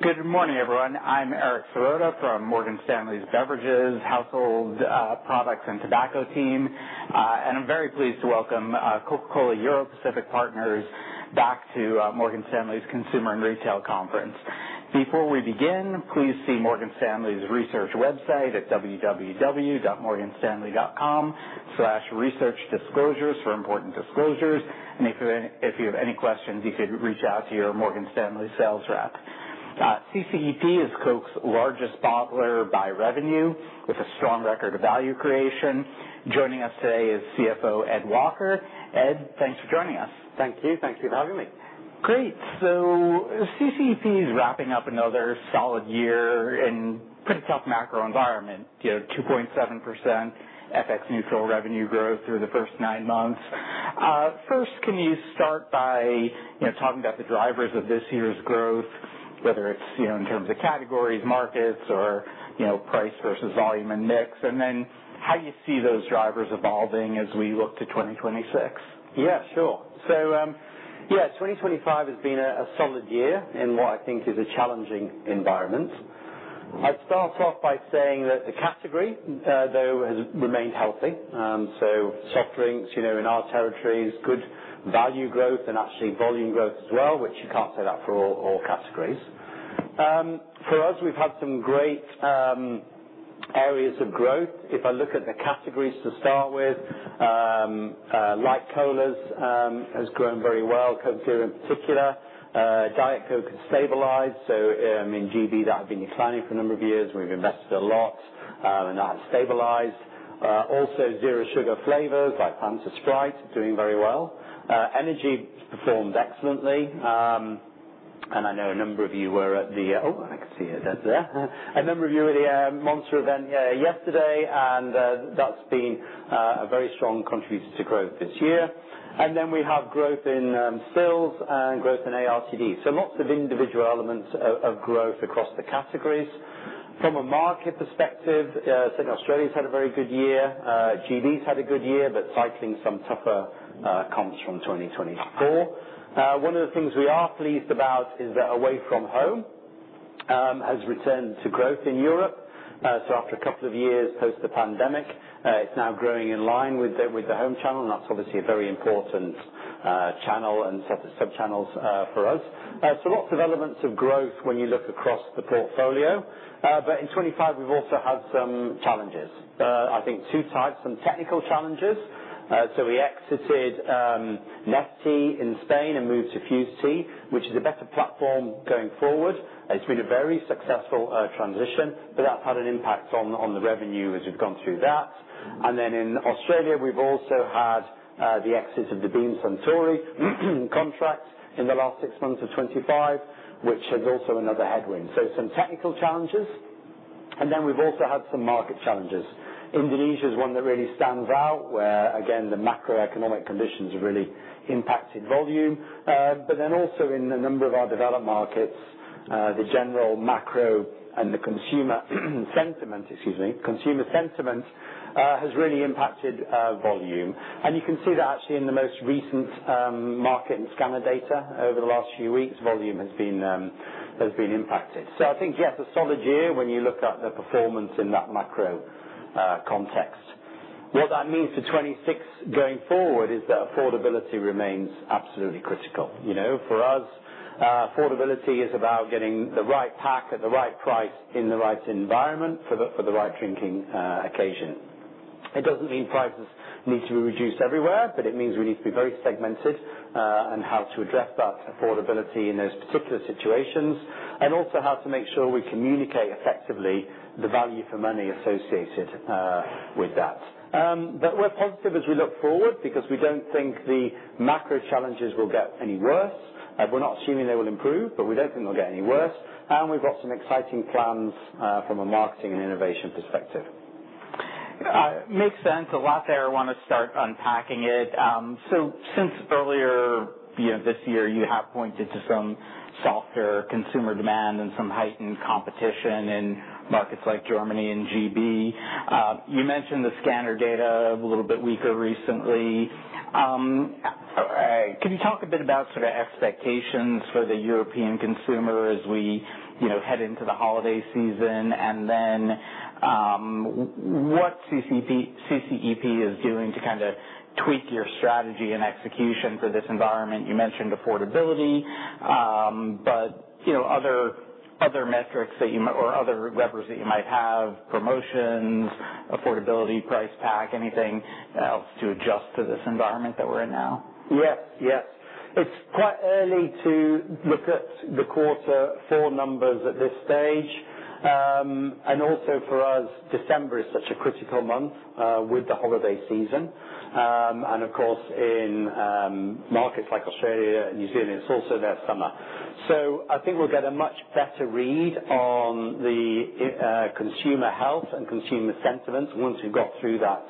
Good morning, everyone. I'm Eric Serotta from Morgan Stanley's Beverages, Household Products, and Tobacco team, and I'm very pleased to welcome Coca-Cola Europacific Partners back to Morgan Stanley's Consumer and Retail Conference. Before we begin, please see Morgan Stanley's research website at www.morganstanley.com/researchdisclosures for important disclosures, and if you have any questions, you could reach out to your Morgan Stanley sales rep. CCEP is Coke's largest bottler by revenue, with a strong record of value creation. Joining us today is CFO, Ed Walker. Ed, thanks for joining us. Thank you. Thanks for having me. Great. So CCEP is wrapping up another solid year in pretty tough macro environment, you know, 2.7% FX neutral revenue growth through the first nine months. First, can you start by, you know, talking about the drivers of this year's growth, whether it's, you know, in terms of categories, markets or, you know, price versus volume and mix, and then how you see those drivers evolving as we look to 2026? Yeah, sure. So, yeah, 2025 has been a solid year in what I think is a challenging environment. I'd start off by saying that the category, though, has remained healthy. So soft drinks, you know, in our territories, good value growth and actually volume growth as well, which you can't say that for all categories. For us, we've had some great areas of growth. If I look at the categories to start with, light colas has grown very well, Coca-Cola in particular. Diet Coke has stabilized, so in GB, that had been declining for a number of years. We've invested a lot, and that has stabilized. Also zero sugar flavors like Fanta, Sprite are doing very well. Energy performed excellently, and I know a number of you were at the... Oh, I can see it there. A number of you were at the Monster event yesterday, and that's been a very strong contributor to growth this year. And then we have growth in stills and growth in ARTD. So lots of individual elements of growth across the categories. From a market perspective, I'd say Australia's had a very good year. GB's had a good year, but cycling some tougher comps from 2024. One of the things we are pleased about is that away from home has returned to growth in Europe. So after a couple of years post the pandemic, it's now growing in line with the home channel, and that's obviously a very important channel and sub-channels for us. So lots of elements of growth when you look across the portfolio. But in 2025, we've also had some challenges. I think two types, some technical challenges. So we exited NESTEA in Spain and moved to Fuze Tea, which is a better platform going forward. It's been a very successful transition, but that's had an impact on the revenue as we've gone through that. And then in Australia, we've also had the exit of the Beam Suntory contract in the last six months of 2025, which is also another headwind. So some technical challenges, and then we've also had some market challenges. Indonesia is one that really stands out, where, again, the macroeconomic conditions have really impacted volume. But then also in a number of our developed markets, the general macro and consumer sentiment has really impacted volume. You can see that actually in the most recent market and scanner data over the last few weeks, volume has been impacted. I think yes, a solid year when you look at the performance in that macro context. What that means for2026 going forward is that affordability remains absolutely critical. You know, for us, affordability is about getting the right pack at the right price, in the right environment for the right drinking occasion. It doesn't mean prices need to be reduced everywhere, but it means we need to be very segmented, and how to address that affordability in those particular situations, and also how to make sure we communicate effectively the value for money associated with that. But we're positive as we look forward because we don't think the macro challenges will get any worse. We're not assuming they will improve, but we don't think they'll get any worse, and we've got some exciting plans from a marketing and innovation perspective. Makes sense. A lot there. I want to start unpacking it. So since earlier, you know, this year, you have pointed to some softer consumer demand and some heightened competition in markets like Germany and GB. You mentioned the scanner data a little bit weaker recently. Can you talk a bit about sort of expectations for the European consumer as we, you know, head into the holiday season, and then, what CCEP is doing to kind of tweak your strategy and execution for this environment? You mentioned affordability, but, you know, other levers that you might have, promotions, affordability, price pack, anything else to adjust to this environment that we're in now? Yes, yes. It's quite early to look at the quarter four numbers at this stage. And also for us, December is such a critical month with the holiday season. And of course, in markets like Australia and New Zealand, it's also their summer. So I think we'll get a much better read on the consumer health and consumer sentiments once we've got through that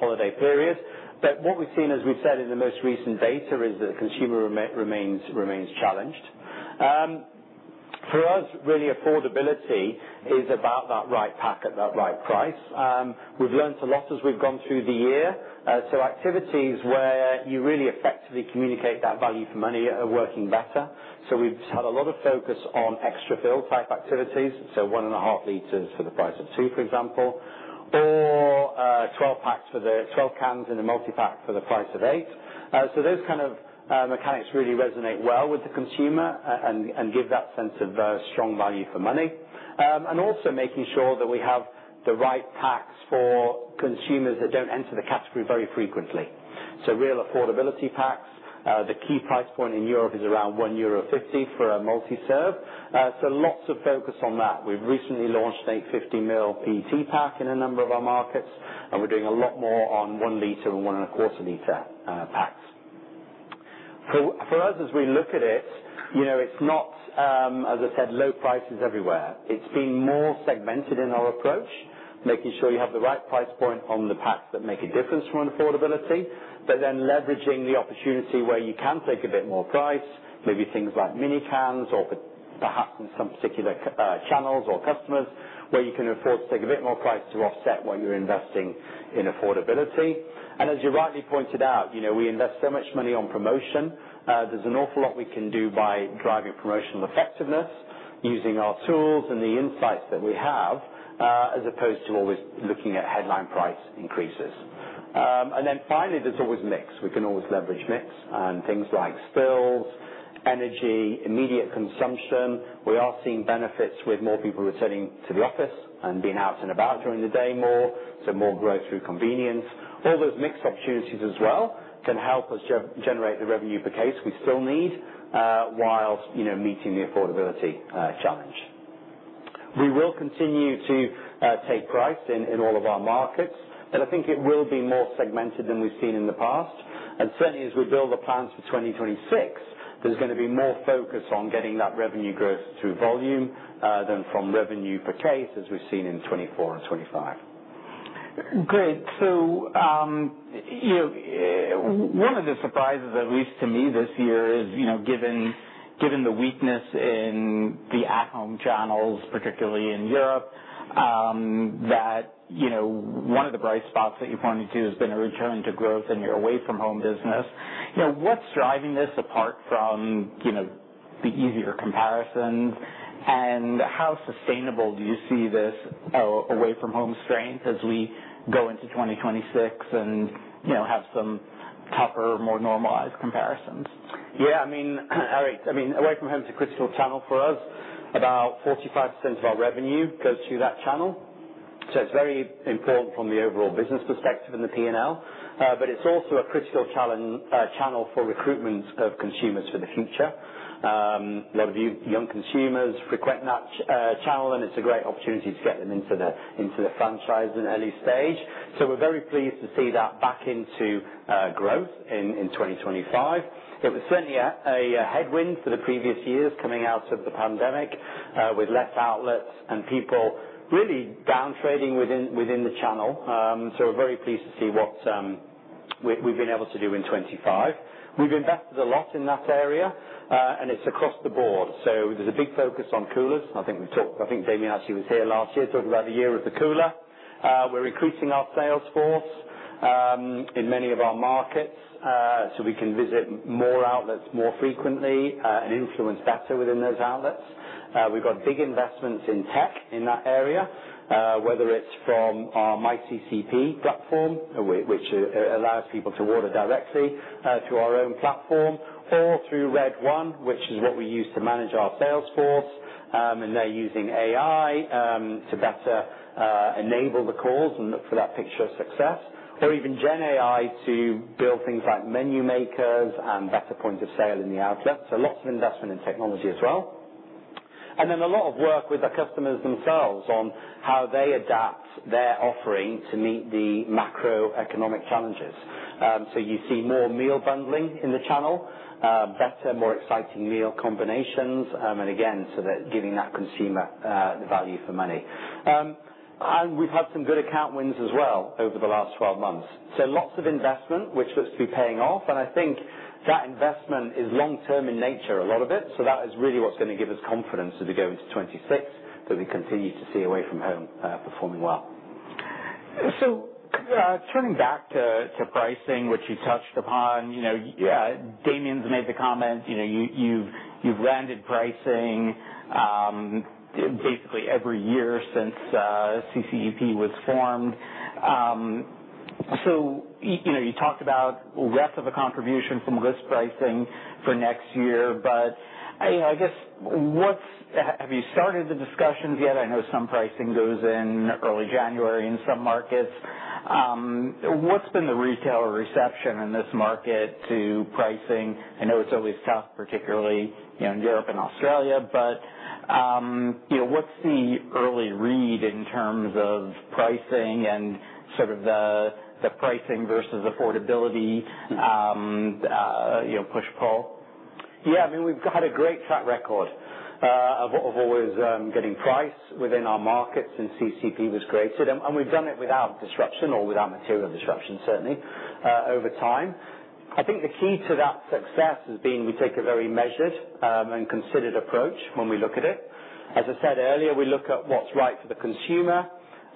holiday period. But what we've seen, as we've said in the most recent data, is that the consumer remains challenged. For us, really, affordability is about that right pack at that right price. We've learned a lot as we've gone through the year. So activities where you really effectively communicate that value for money are working better. So we've had a lot of focus on extra fill type activities, so one and a half liters for the price of two, for example. Or, 12 packs for the 12 cans in a multi-pack for the price of eight. So those kind of mechanics really resonate well with the consumer and give that sense of strong value for money. And also making sure that we have the right packs for consumers that don't enter the category very frequently. So real affordability packs. The key price point in Europe is around 1.50 euro for a multi-serve. So lots of focus on that. We've recently launched a 50 ml PET pack in a number of our markets, and we're doing a lot more on one liter and one and a quarter liter packs. For us, as we look at it, you know, it's not, as I said, low prices everywhere. It's being more segmented in our approach, making sure you have the right price point on the packs that make a difference from an affordability, but then leveraging the opportunity where you can take a bit more price, maybe things like mini cans or perhaps in some particular channels or customers, where you can afford to take a bit more price to offset what you're investing in affordability. And as you rightly pointed out, you know, we invest so much money on promotion, there's an awful lot we can do by driving promotional effectiveness, using our tools and the insights that we have, as opposed to always looking at headline price increases. And then finally, there's always mix. We can always leverage mix and things like stills, energy, immediate consumption. We are seeing benefits with more people returning to the office and being out and about during the day more, so more growth through convenience. All those mix opportunities as well can help us generate the revenue per case we still need, while, you know, meeting the affordability challenge. We will continue to take price in all of our markets, but I think it will be more segmented than we've seen in the past. Certainly, as we build the plans for 2026, there's gonna be more focus on getting that revenue growth through volume than from revenue per case, as we've seen in 2024 and 2025. Great. So, one of the surprises, at least to me this year, is, you know, given the weakness in the at-home channels, particularly in Europe, that, you know, one of the bright spots that you're pointing to has been a return to growth in your away-from-home business. You know, what's driving this, apart from, you know, the easier comparisons? And how sustainable do you see this away-from-home strength as we go into 2026 and, you know, have some tougher, more normalized comparisons? Yeah, I mean, all right. I mean, away from home is a critical channel for us. About 45% of our revenue goes through that channel, so it's very important from the overall business perspective in the P&L. But it's also a critical channel for recruitment of consumers for the future. A lot of the young consumers frequent that channel, and it's a great opportunity to get them into the franchise at an early stage. So we're very pleased to see that back into growth in 2025. It was certainly a headwind for the previous years coming out of the pandemic with less outlets and people really downtrading within the channel. So we're very pleased to see what we've been able to do in 2025. We've invested a lot in that area, and it's across the board. So there's a big focus on coolers. I think we've talked. I think Damian, actually, was here last year talking about the year of the cooler. We're increasing our sales force in many of our markets, so we can visit more outlets more frequently, and influence better within those outlets. We've got big investments in tech in that area, whether it's from our myCCEP platform, which allows people to order directly through our own platform, or through Red One, which is what we use to manage our sales force. And they're using AI to better enable the calls and look for that picture of success, or even GenAI to build things like menu makers and better point of sale in the outlets. So lots of investment in technology as well. And then a lot of work with the customers themselves on how they adapt their offering to meet the macroeconomic challenges. So you see more meal bundling in the channel, better, more exciting meal combinations, and again, so that giving that consumer, the value for money. And we've had some good account wins as well over the last 12 months. So lots of investment, which looks to be paying off, and I think that investment is long-term in nature, a lot of it. So that is really what's gonna give us confidence as we go into 2026, that we continue to see away from home performing well. Turning back to pricing, which you touched upon, you know, Damian's made the comment, you know, you've landed pricing basically every year since CCEP was formed. So you know, you talked about less of a contribution from risk pricing for next year, but I guess, what have you started the discussions yet? I know some pricing goes in early January in some markets. What's been the retailer reception in this market to pricing? I know it's always tough, particularly, you know, in Europe and Australia, but you know, what's the early read in terms of pricing and sort of the pricing versus affordability, you know, push/pull? Yeah, I mean, we've had a great track record of always getting price within our markets since CCEP was created. And we've done it without disruption or without material disruption, certainly over time. I think the key to that success has been we take a very measured and considered approach when we look at it. As I said earlier, we look at what's right for the consumer.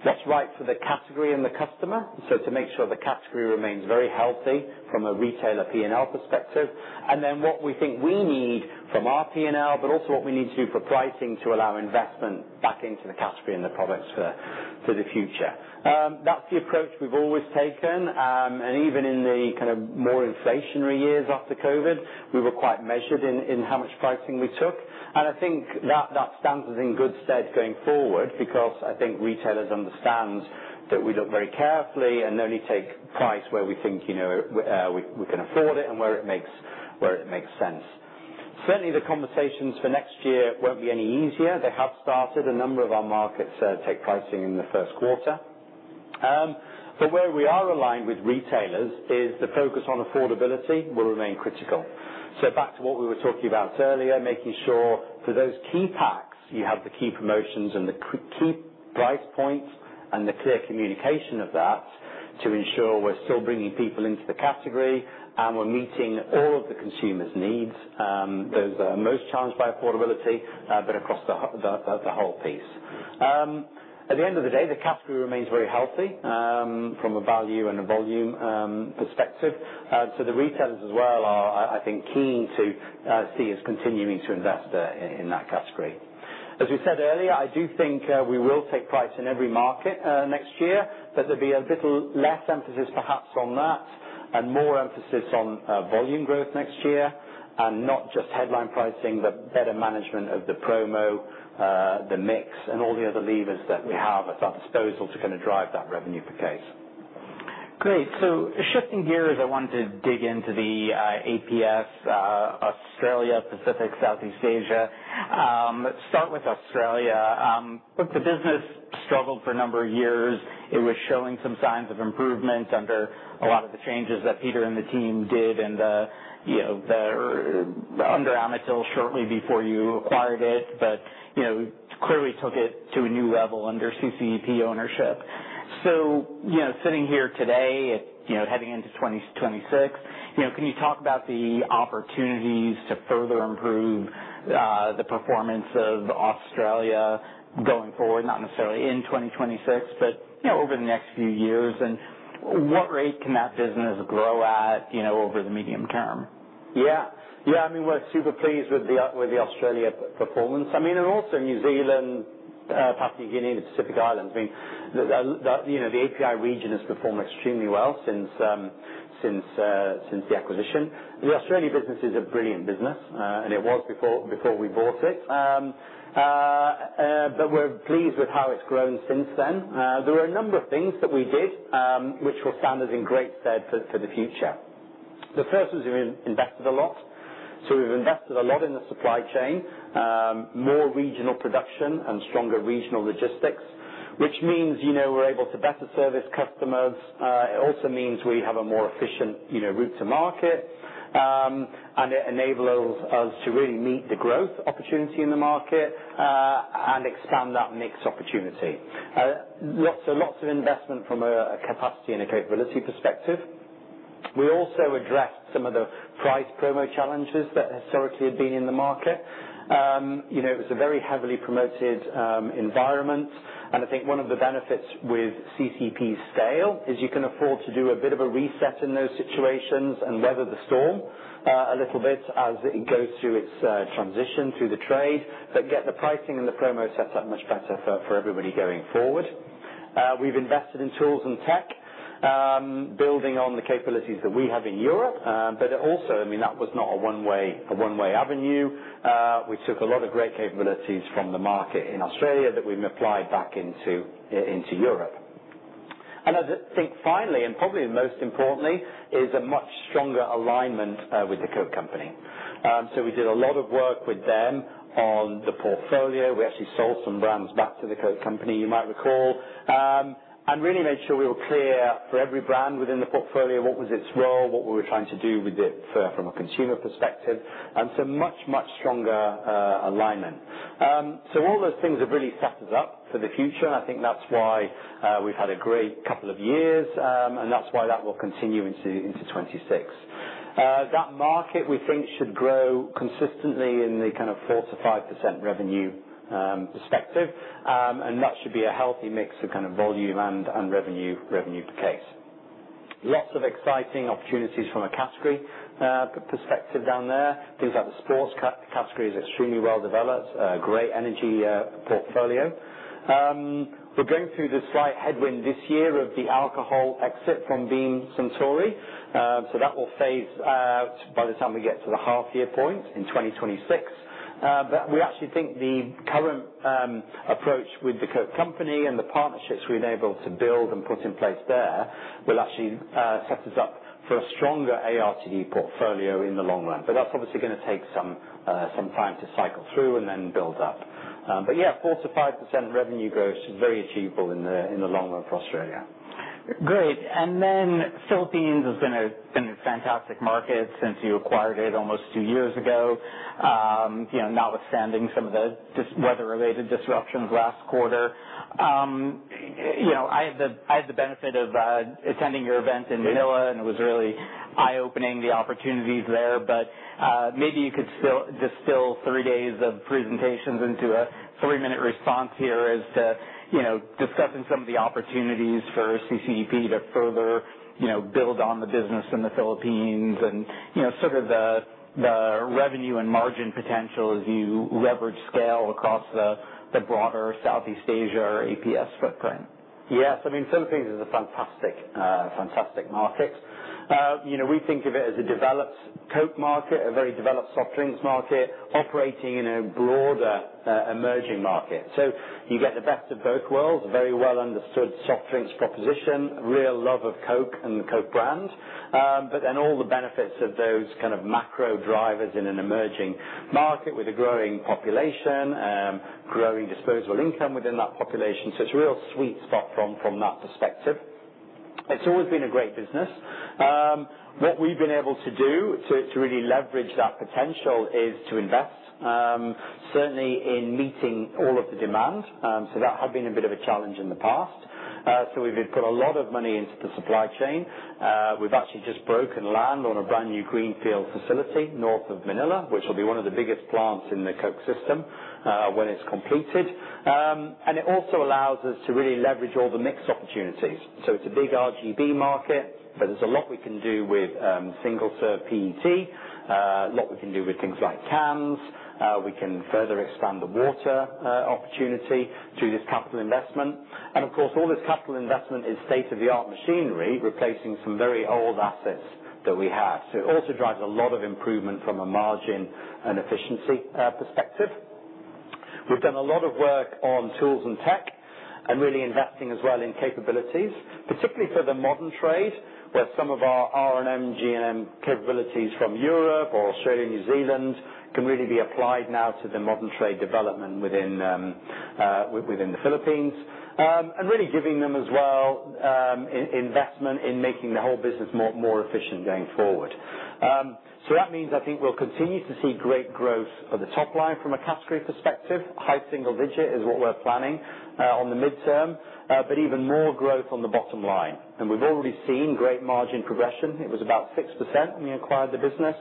That's right for the category and the customer. So to make sure the category remains very healthy from a retailer P&L perspective, and then what we think we need from our P&L, but also what we need to do for pricing to allow investment back into the category and the products for the future. That's the approach we've always taken. And even in the kind of more inflationary years after COVID, we were quite measured in how much pricing we took. And I think that stands us in good stead going forward, because I think retailers understand that we look very carefully and only take price where we think, you know, we can afford it, and where it makes sense. Certainly, the conversations for next year won't be any easier. They have started a number of our markets take pricing in the first quarter. But where we are aligned with retailers, is the focus on affordability will remain critical. So back to what we were talking about earlier, making sure for those key packs, you have the key promotions and the key price points, and the clear communication of that, to ensure we're still bringing people into the category, and we're meeting all of the consumers' needs. Those are most challenged by affordability, but across the whole piece. At the end of the day, the category remains very healthy, from a value and a volume perspective. So the retailers as well are, I think, keen to see us continuing to invest in that category. As we said earlier, I do think we will take price in every market next year, but there'll be a little less emphasis, perhaps, on that, and more emphasis on volume growth next year. Not just headline pricing, but better management of the promo, the mix, and all the other levers that we have at our disposal to kinda drive that revenue per case. Great. So shifting gears, I wanted to dig into the API, Australia, Pacific, Southeast Asia. Let's start with Australia. Look, the business struggled for a number of years. It was showing some signs of improvement under a lot of the changes that Peter and the team did, and you know, under Amatil shortly before you acquired it. But you know, clearly took it to a new level under CCEP ownership. So you know, sitting here today, you know, heading into 2026, you know, can you talk about the opportunities to further improve the performance of Australia going forward? Not necessarily in 2026, but you know, over the next few years, and what rate can that business grow at, you know, over the medium term? Yeah. Yeah, I mean, we're super pleased with the Australia performance. I mean, and also New Zealand, Papua New Guinea and the Pacific Islands. I mean, the, the, you know, the API region has performed extremely well since the acquisition. The Australia business is a brilliant business, and it was before we bought it. But we're pleased with how it's grown since then. There were a number of things that we did, which will stand us in great stead for the future. The first was we invested a lot. So we've invested a lot in the supply chain, more regional production and stronger regional logistics, which means, you know, we're able to better service customers. It also means we have a more efficient, you know, route to market. And it enables us to really meet the growth opportunity in the market, and expand that mix opportunity. Lots and lots of investment from a capacity and a capability perspective. We also addressed some of the price promo challenges that historically had been in the market. You know, it was a very heavily promoted environment, and I think one of the benefits with CCEP's sale is you can afford to do a bit of a reset in those situations and weather the storm a little bit as it goes through its transition through the trade, but get the pricing and the promo set up much better for everybody going forward. We've invested in tools and tech, building on the capabilities that we have in Europe. But it also, I mean, that was not a one-way avenue. We took a lot of great capabilities from the market in Australia that we've applied back into Europe, and I think finally, and probably most importantly, is a much stronger alignment with the Coke company. So we did a lot of work with them on the portfolio. We actually sold some brands back to the Coke company, you might recall, and really made sure we were clear for every brand within the portfolio, what was its role, what we were trying to do with it, from a consumer perspective, and so much stronger alignment. So all those things have really set us up for the future, and I think that's why we've had a great couple of years, and that's why that will continue into2026. That market, we think, should grow consistently in the kind of 4-5% revenue perspective. And that should be a healthy mix of kind of volume and revenue per case. Lots of exciting opportunities from a category perspective down there. Things like the sports category is extremely well developed, great energy portfolio. We're going through the slight headwind this year of the alcohol exit from Beam Suntory. So that will phase out by the time we get to the half-year point in 2026. But we actually think the current approach with the Coke company and the partnerships we're enabled to build and put in place there, will actually set us up for a stronger ARTD portfolio in the long run. But that's obviously gonna take some time to cycle through and then build up, but yeah, 4-5% revenue growth is very achievable in the long run for Australia. Great. And then, Philippines has been a fantastic market since you acquired it almost two years ago. You know, notwithstanding some of the weather-related disruptions last quarter, I had the benefit of attending your event in Manila, and it was really eye-opening, the opportunities there. But, maybe you could still distill three days of presentations into a three-minute response here as to, you know, discussing some of the opportunities for CCEP to further, you know, build on the business in the Philippines and, you know, sort of the revenue and margin potential as you leverage scale across the broader Southeast Asia or API footprint. Yes, I mean, Philippines is a fantastic market. You know, we think of it as a developed Coke market, a very developed soft drinks market, operating in a broader, emerging market. So you get the best of both worlds, a very well-understood soft drinks proposition, real love of Coke and the Coke brand, but then all the benefits of those kind of macro drivers in an emerging market with a growing population, growing disposable income within that population. So it's a real sweet spot from that perspective. It's always been a great business. What we've been able to do to really leverage that potential is to invest, certainly in meeting all of the demand. So that had been a bit of a challenge in the past. So we've put a lot of money into the supply chain. We've actually just broken land on a brand-new greenfield facility north of Manila, which will be one of the biggest plants in the Coke system when it's completed. And it also allows us to really leverage all the mix opportunities. So it's a big RGB market, but there's a lot we can do with single-serve PET, a lot we can do with things like cans. We can further expand the water opportunity through this capital investment. And of course, all this capital investment is state-of-the-art machinery, replacing some very old assets that we have. So it also drives a lot of improvement from a margin and efficiency perspective. We've done a lot of work on tools and tech and really investing as well in capabilities, particularly for the modern trade, where some of our R&MGM capabilities from Europe or Australia, New Zealand, can really be applied now to the modern trade development within the Philippines. And really giving them as well, investment in making the whole business more efficient going forward. So that means, I think we'll continue to see great growth for the top line from a category perspective. High single digit is what we're planning on the midterm, but even more growth on the bottom line. And we've already seen great margin progression. It was about 6% when we acquired the business.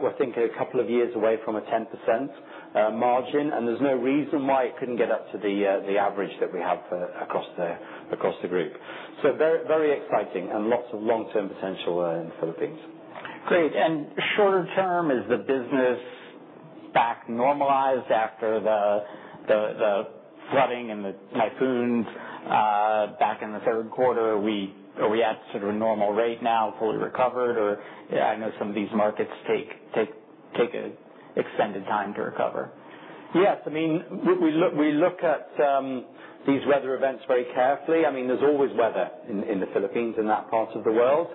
We're thinking a couple of years away from a 10% margin, and there's no reason why it couldn't get up to the average that we have across the group. So very, very exciting and lots of long-term potential in the Philippines. Great. And shorter term, is the business back normalized after the flooding and the typhoons back in the third quarter? Are we at sort of a normal rate now, fully recovered? Or, I know some of these markets take an extended time to recover. Yes, I mean, we look at these weather events very carefully. I mean, there's always weather in the Philippines and that part of the world,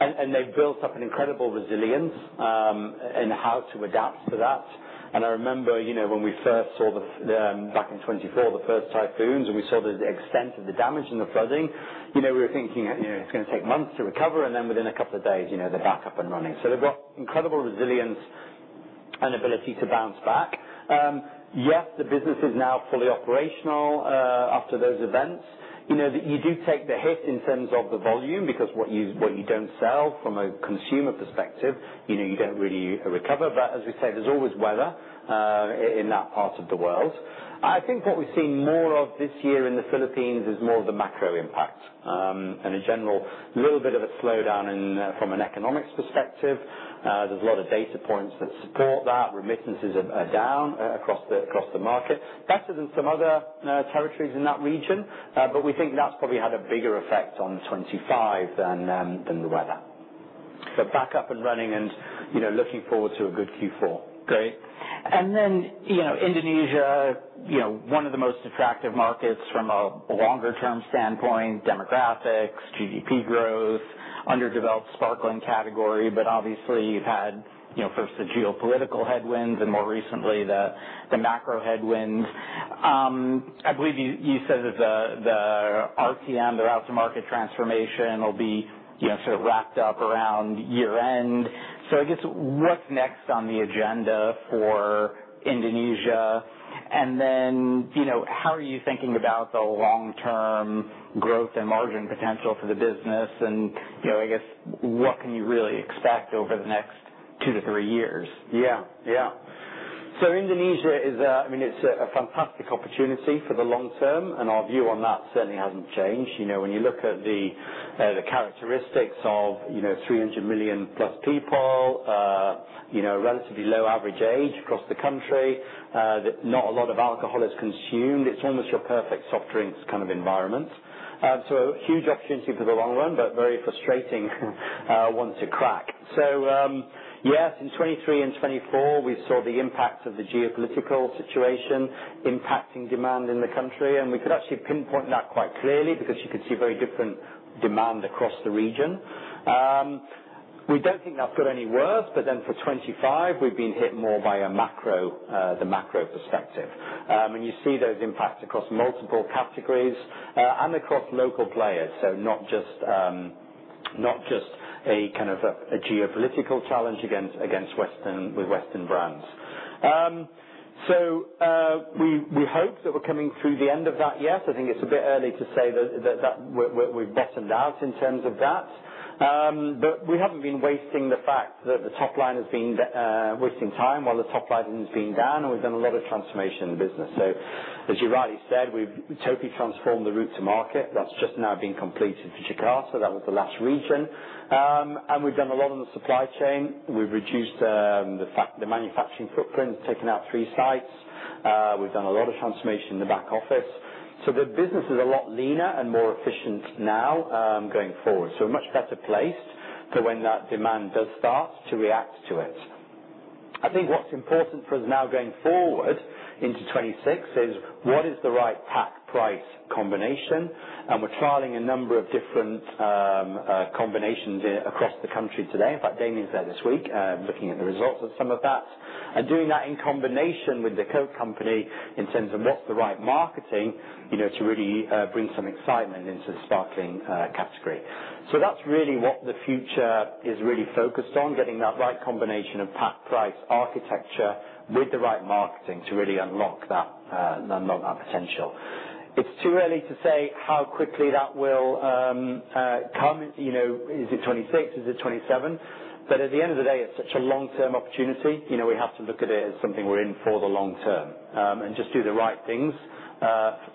and they've built up an incredible resilience in how to adapt to that, and I remember, you know, when we first saw the back in 2024, the first typhoons, and we saw the extent of the damage and the flooding, you know, we were thinking, you know, it's gonna take months to recover, and then within a couple of days, you know, they're back up and running. Yeah. So they've got incredible resilience and ability to bounce back. Yes, the business is now fully operational after those events. You know, you do take the hit in terms of the volume, because what you don't sell from a consumer perspective, you know, you don't really recover. But as we say, there's always weather in that part of the world. I think what we're seeing more of this year in the Philippines is more of the macro impact, and in general, a little bit of a slowdown from an economics perspective. There's a lot of data points that support that. Remittances are down across the market. Better than some other territories in that region, but we think that's probably had a bigger effect on 2025 than the weather. So back up and running and, you know, looking forward to a good Q4. Great. And then, you know, Indonesia, you know, one of the most attractive markets from a longer term standpoint, demographics, GDP growth, underdeveloped sparkling category, but obviously, you've had, you know, first the geopolitical headwinds and more recently, the macro headwinds. I believe you said that the RTM, the route to market transformation, will be, you know, sort of wrapped up around year-end. So I guess, what's next on the agenda for Indonesia? And then, you know, how are you thinking about the long-term growth and margin potential for the business? And, you know, I guess, what can you really expect over the next two to three years? Yeah, yeah. So Indonesia is a—I mean, it's a fantastic opportunity for the long term, and our view on that certainly hasn't changed. You know, when you look at the characteristics of, you know, 300 million-plus people, you know, relatively low average age across the country, that not a lot of alcohol is consumed, it's almost your perfect soft drinks kind of environment. So huge opportunity for the long run, but very frustrating one to crack. So, yes, in 2023 and 2024, we saw the impact of the geopolitical situation impacting demand in the country, and we could actually pinpoint that quite clearly because you could see very different demand across the region. We don't think that's got any worse, but then for 2025, we've been hit more by a macro, the macro perspective. And you see those impacts across multiple categories, and across local players. So not just a kind of a geopolitical challenge against Western brands. So we hope that we're coming through the end of that. Yes, I think it's a bit early to say that we've bottomed out in terms of that. But we haven't been wasting time while the top line has been down, and we've done a lot of transformation in the business. So as you rightly said, we've totally transformed the route to market. That's just now been completed for Jakarta, so that was the last region. And we've done a lot on the supply chain. We've reduced the manufacturing footprint, taking out three sites. We've done a lot of transformation in the back office. The business is a lot leaner and more efficient now, going forward. It's a much better place for when that demand does start to react to it. I think what's important for us now going forward into 2026 is, what is the right pack price combination? We're trialing a number of different combinations across the country today. In fact, Damian's there this week, looking at the results of some of that. We're doing that in combination with the Coke company in terms of what's the right marketing, you know, to really bring some excitement into the sparkling category. That's really what the future is focused on, getting that right combination of pack, price, architecture, with the right marketing to really unlock that potential. It's too early to say how quickly that will come. You know, is it 2026? Is it 2027? But at the end of the day, it's such a long-term opportunity, you know, we have to look at it as something we're in for the long term, and just do the right things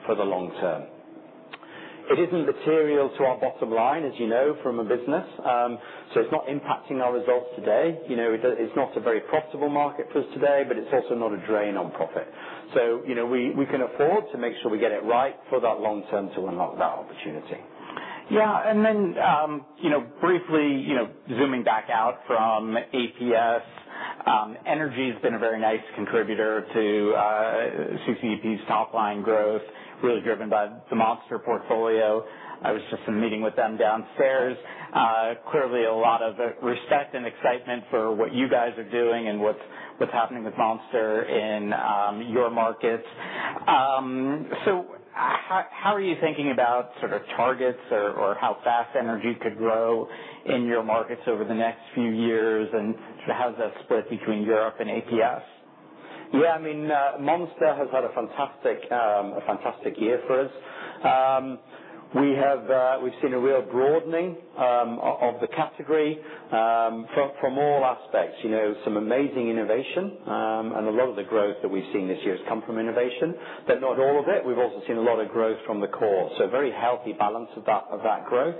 for the long term. It isn't material to our bottom line, as you know, from a business. So it's not impacting our results today. You know, it's not a very profitable market for us today, but it's also not a drain on profit. So, you know, we can afford to make sure we get it right for that long term to unlock that opportunity. Yeah, and then, you know, briefly, you know, zooming back out from API, energy has been a very nice contributor to CCEP's top line growth, really driven by the Monster portfolio. I was just in a meeting with them downstairs. Clearly, a lot of respect and excitement for what you guys are doing and what's happening with Monster in your markets. So how are you thinking about sort of targets or how fast energy could grow in your markets over the next few years, and how is that split between Europe and API? Yeah, I mean, Monster has had a fantastic year for us. We have, we've seen a real broadening of the category from all aspects, you know, some amazing innovation, and a lot of the growth that we've seen this year has come from innovation, but not all of it. We've also seen a lot of growth from the core, so a very healthy balance of that growth.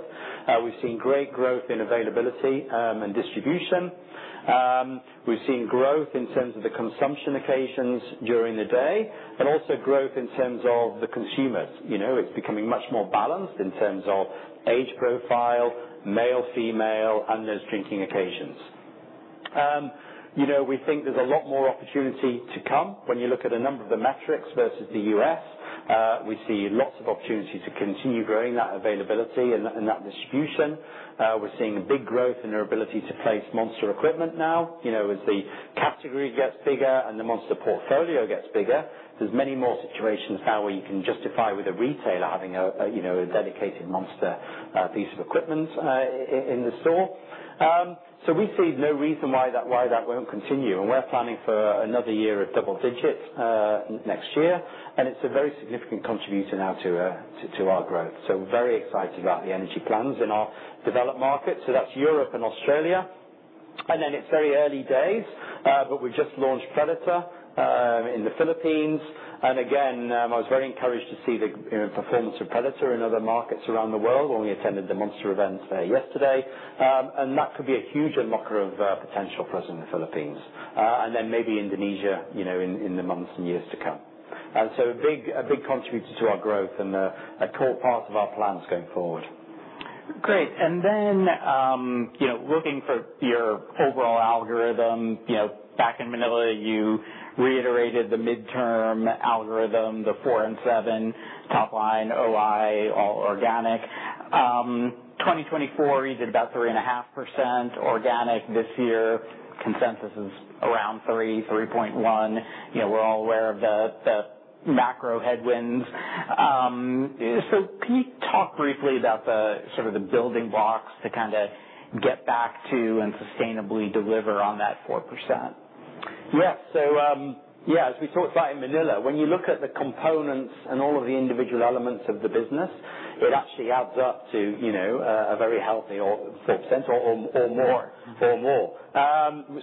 We've seen great growth in availability and distribution. We've seen growth in terms of the consumption occasions during the day, and also growth in terms of the consumers. You know, it's becoming much more balanced in terms of age profile, male, female, and those drinking occasions. You know, we think there's a lot more opportunity to come when you look at a number of the metrics versus the U.S. We see lots of opportunity to continue growing that availability and that distribution. We're seeing a big growth in their ability to place Monster equipment now. You know, as the category gets bigger and the Monster portfolio gets bigger, there's many more situations now where you can justify with a retailer having a dedicated Monster piece of equipment in the store. So we see no reason why that won't continue, and we're planning for another year of double digits next year, and it's a very significant contributor now to our growth, so we're very excited about the energy plans in our developed markets, so that's Europe and Australia. And then it's very early days, but we've just launched Predator in the Philippines. And again, I was very encouraged to see the, you know, performance of Predator in other markets around the world when we attended the Monster event there yesterday. And that could be a huge unlocker of potential for us in the Philippines, and then maybe Indonesia, you know, in the months and years to come. And so a big, a big contributor to our growth and a core part of our plans going forward. Great. And then, you know, looking for your overall algorithm, you know, back in Manila, you reiterated the midterm algorithm, the 4 and 7 top line, OI, all organic. 2024, you did about 3.5% organic. This year, consensus is around 3.1. You know, we're all aware of the macro headwinds. So can you talk briefly about the sort of the building blocks to kind of get back to and sustainably deliver on that 4%? Yeah. So, yeah, as we talked about in Manila, when you look at the components and all of the individual elements of the business, it actually adds up to, you know, a very healthy 4% or more.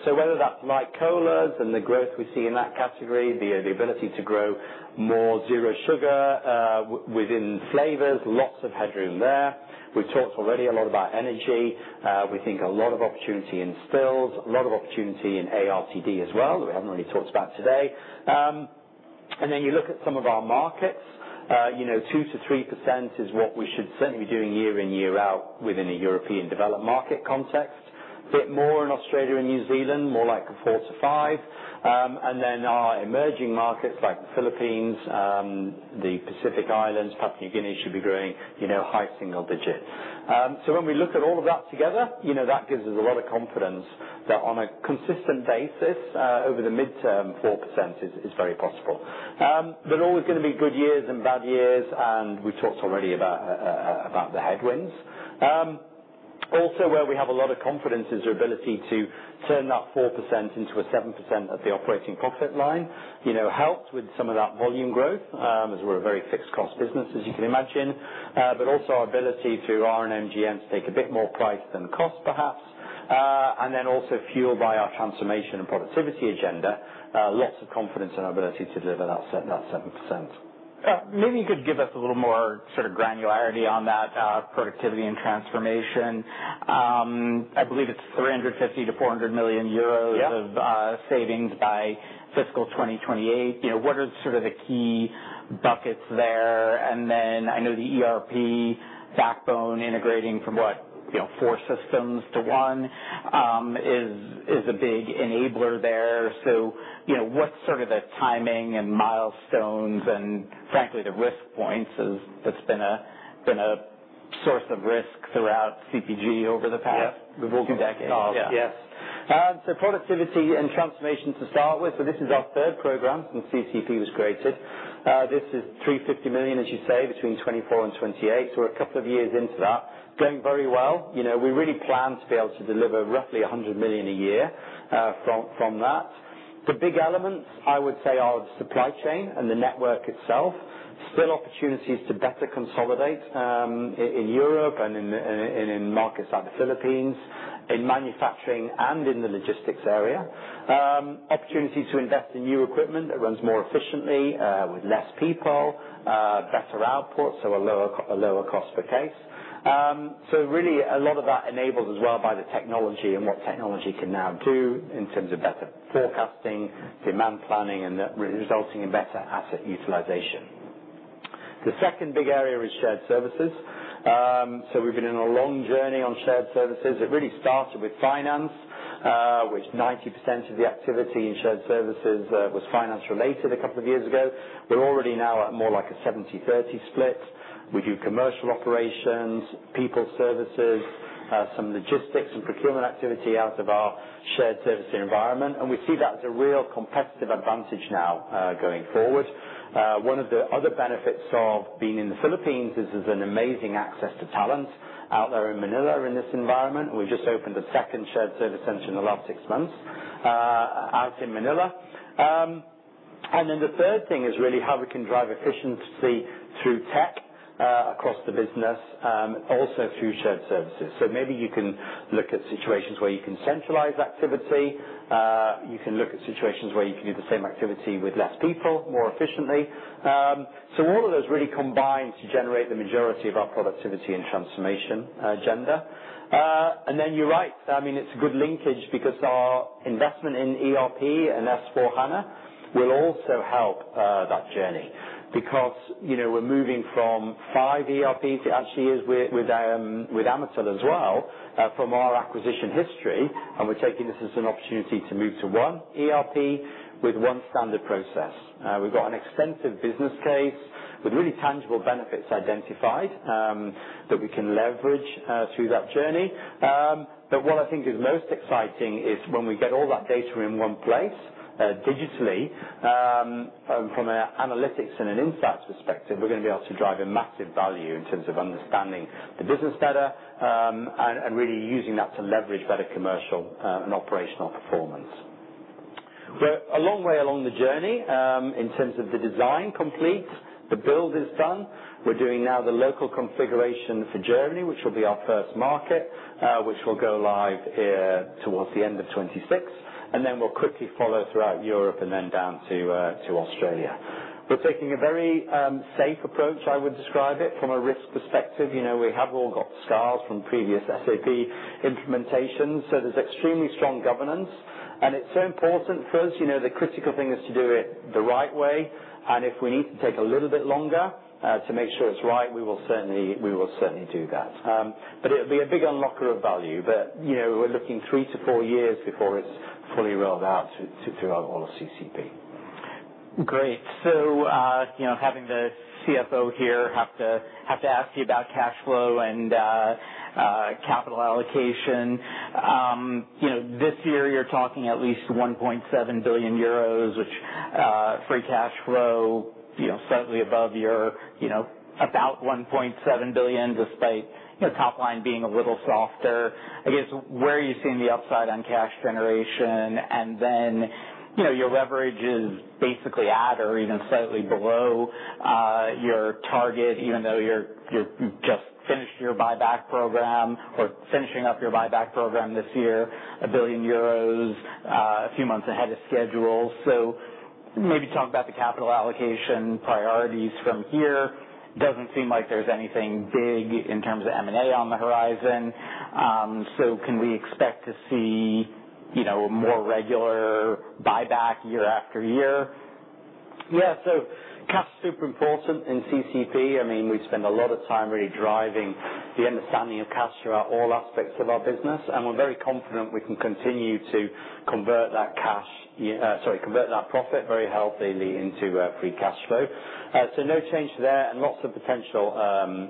So whether that's like colas and the growth we see in that category, the ability to grow more zero sugar within flavors, lots of headroom there. We've talked already a lot about energy. We think a lot of opportunity in stills, a lot of opportunity in ARTD as well, that we haven't really talked about today. And then you look at some of our markets, you know, 2%-3% is what we should certainly be doing year in, year out, within a European developed market context. A bit more in Australia and New Zealand, more like 4-5%. Then our emerging markets like the Philippines, the Pacific Islands, Papua New Guinea should be growing, you know, high single digits. So when we look at all of that together, you know, that gives us a lot of confidence that on a consistent basis, over the midterm, 4% is very possible. There's always gonna be good years and bad years, and we've talked already about the headwinds. Also, where we have a lot of confidence is our ability to turn that 4% into a 7% at the operating profit line. You know, helped with some of that volume growth, as we're a very fixed cost business, as you can imagine but also our ability through RGM to take a bit more price than cost, perhaps. And then also fueled by our transformation and productivity agenda, lots of confidence in our ability to deliver that 7%. Maybe you could give us a little more sort of granularity on that, productivity and transformation. I believe it's 350 million-400 million euros- Yeah Of, savings by fiscal 2028. You know, what are sort of the key buckets there? And then I know the ERP backbone integrating from what? You know, four systems to one, is a big enabler there. So, you know, what's sort of the timing and milestones and frankly, the risk points, as that's been a source of risk throughout CPG over the past ver the decades. Yes. Yeah. Productivity and transformation to start with, so this is our third program since CCEP was created. This is 350 million, as you say, between 2024 and 2028. We're a couple of years into that. Going very well. You know, we really plan to be able to deliver roughly 100 million a year from that. The big elements, I would say, are the supply chain and the network itself. Still opportunities to better consolidate in Europe and in markets like the Philippines, in manufacturing and in the logistics area. Opportunities to invest in new equipment that runs more efficiently with less people, better output, so a lower cost per case. So really a lot of that enabled as well by the technology and what technology can now do in terms of better forecasting, demand planning and resulting in better asset utilization. The second big area is shared services. We've been on a long journey on shared services. It really started with finance, which 90% of the activity in shared services was finance related a couple of years ago. We're already now at more like a 70-30 split. We do commercial operations, people services, some logistics and procurement activity out of our shared services environment, and we see that as a real competitive advantage now, going forward. One of the other benefits of being in the Philippines is there's an amazing access to talent out there in Manila, in this environment. We just opened a second shared service center in the last six months, out in Manila. And then the third thing is really how we can drive efficiency through tech, across the business, also through shared services. So maybe you can look at situations where you can centralize activity. You can look at situations where you can do the same activity with less people, more efficiently. So all of those really combine to generate the majority of our productivity and transformation, agenda. And then you're right. I mean, it's a good linkage because our investment in ERP and S/4HANA will also help that journey because, you know, we're moving from five ERPs, it actually is with Amatil as well from our acquisition history, and we're taking this as an opportunity to move to one ERP with one standard process. We've got an extensive business case with really tangible benefits identified that we can leverage through that journey, but what I think is most exciting is when we get all that data in one place digitally from an analytics and an insights perspective, we're going to be able to drive a massive value in terms of understanding the business better and really using that to leverage better commercial and operational performance. We're a long way along the journey in terms of the design, complete. The build is done. We're doing now the local configuration for Germany, which will be our first market, which will go live towards the end of 2026, and then we'll quickly follow throughout Europe and then down to Australia. We're taking a very safe approach, I would describe it, from a risk perspective. You know, we have all got scars from previous SAP implementations, so there's extremely strong governance. And it's so important for us, you know, the critical thing is to do it the right way, and if we need to take a little bit longer to make sure it's right, we will certainly, we will certainly do that. But it'll be a big unlocker of value, but, you know, we're looking three to four years before it's fully rolled out to throughout all of CCEP. Great. So, you know, having the CFO here, have to ask you about cash flow and capital allocation. You know, this year you're talking at least 1.7 billion euros, which free cash flow, you know, slightly above your, you know, about 1.7 billion, despite, you know, top line being a little softer. I guess, where are you seeing the upside on cash generation? And then, you know, your leverage is basically at or even slightly below your target, even though you're just finished your buyback program or finishing up your buyback program this year, 1 billion euros, a few months ahead of schedule. So maybe talk about the capital allocation priorities from here. Doesn't seem like there's anything big in terms of M&A on the horizon. Can we expect to see, you know, more regular buyback year after year? Yeah, so cash is super important in CCEP. I mean, we spend a lot of time really driving the understanding of cash throughout all aspects of our business, and we're very confident we can continue to convert that profit very healthily into free cash flow, so no change there and lots of potential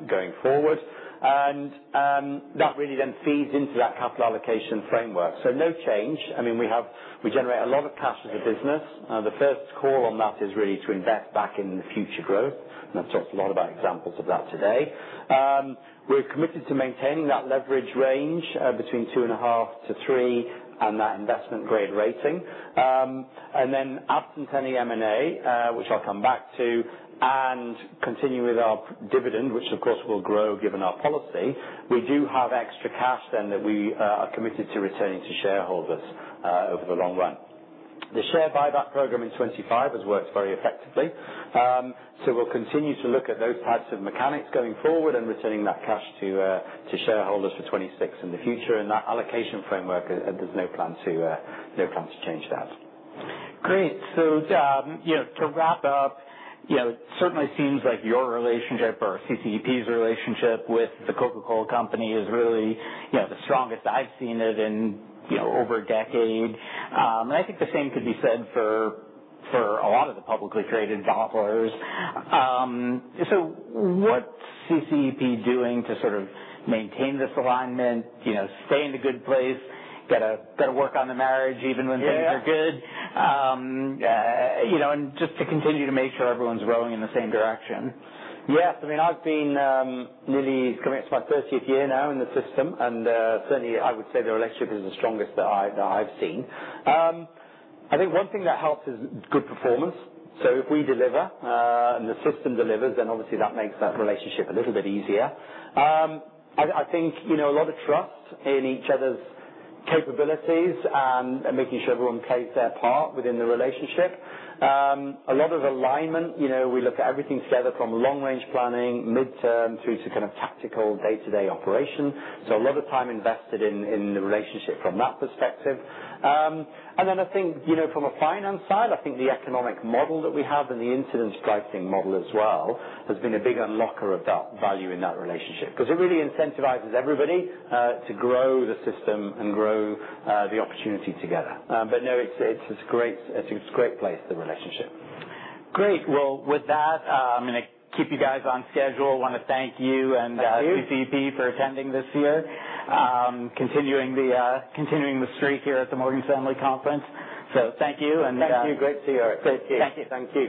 going forward that really then feeds into that capital allocation framework, so no change. I mean, we generate a lot of cash as a business. The first call on that is really to invest back in the future growth, and I've talked a lot about examples of that today. We're committed to maintaining that leverage range between two and a half to three, and that investment grade rating. And then absent any M&A, which I'll come back to, and continue with our dividend, which of course will grow given our policy, we do have extra cash then that we are committed to returning to shareholders over the long run. The share buyback program in 2025 has worked very effectively. So we'll continue to look at those types of mechanics going forward and returning that cash to shareholders for 2026 in the future, and that allocation framework, there's no plan to change that. Great, so you know, to wrap up, you know, it certainly seems like your relationship or CCEP's relationship with the Coca-Cola Company is really, you know, the strongest I've seen it in, you know, over a decade, and I think the same could be said for a lot of the publicly traded bottlers, so what's CCEP doing to sort of maintain this alignment, you know, stay in a good place, gotta work on the marriage, even when things are good? Yeah. You know, and just to continue to make sure everyone's rowing in the same direction. Yes. I mean, I've been nearly coming up to my thirtieth year now in the system, and certainly I would say the relationship is the strongest that I've seen. I think one thing that helps is good performance. So if we deliver and the system delivers, then obviously that makes that relationship a little bit easier. I think, you know, a lot of trust in each other's capabilities and making sure everyone plays their part within the relationship. A lot of alignment, you know, we look at everything together from long-range planning, midterm, through to kind of tactical day-to-day operation. So a lot of time invested in the relationship from that perspective. And then I think, you know, from a finance side, I think the economic model that we have and the Incidence Pricing model as well, has been a big unlocker of that value in that relationship. 'Cause it really incentivizes everybody to grow the system and grow the opportunity together. But no, it's great. It's a great place, the relationship. Great! Well, with that, I'm gonna keep you guys on schedule. I want to thank you- Thank you. And, CCEP for attending this year. Continuing the streak here at the Morgan Stanley Conference. So thank you, and- Thank you. Great to see you. Great. Thank you. Thank you.